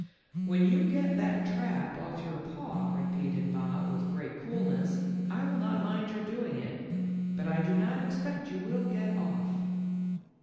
"When you get that trap off your paw," repeated Bob w T ith great coolness, " I will not mind your doing it. But I do not expect you wdll get off.